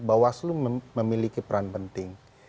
bahwa seluruh memiliki peran penting